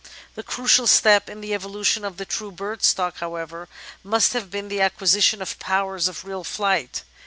The crucial step in the evolution of the true bird stock, however, must have been the acquisition of powers of real flight.